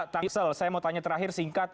tangsel saya mau tanya terakhir singkat